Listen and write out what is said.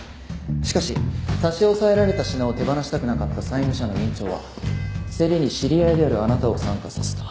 しかし差し押さえられた品を手放したくなかった債務者の院長は競りに知り合いであるあなたを参加させた。